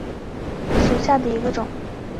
塔什克羊角芹为伞形科羊角芹属下的一个种。